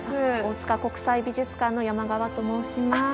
大塚国際美術館の山側と申します。